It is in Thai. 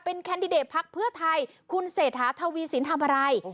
แคนดิเดตพักเพื่อไทยคุณเศรษฐาทวีสินทำอะไร